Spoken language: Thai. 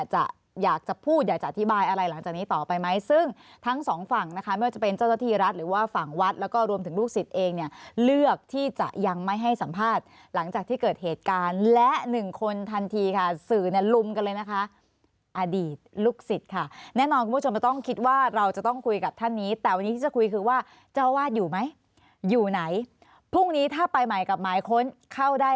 หรือว่าฝั่งวัดแล้วก็รวมถึงลูกศิษย์เองเนี่ยเลือกที่จะยังไม่ให้สัมภาษณ์หลังจากที่เกิดเหตุการณ์และหนึ่งคนทันทีค่ะสื่อรุมกันเลยนะคะอดีตลูกศิษย์ค่ะแน่นอนคุณผู้ชมจะต้องคิดว่าเราจะต้องคุยกับท่านนี้แต่วันนี้จะคุยคือว่าเจ้าวาดอยู่ไหมอยู่ไหนพรุ่งนี้ถ้าไปใหม่กับหมายค้นเข้าได้